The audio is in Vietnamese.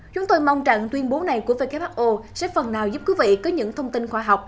chúng tôi mong rằng tuyên bố này của who sẽ phần nào giúp quý vị có những thông tin khoa học